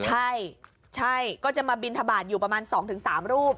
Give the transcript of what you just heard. ใช่ใช่ก็จะมาบินทบาทอยู่ประมาณ๒๓รูป